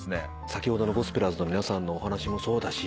先ほどのゴスペラーズの皆さんのお話もそうだし